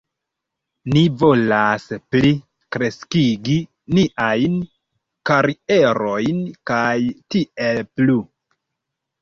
Ni volas pli kreskigi niajn karierojn kaj tiel plu